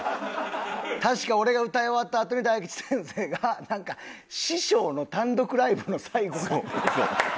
確か俺が歌い終わったあとに大吉先生がなんか「師匠の単独ライブの最後か」って言った。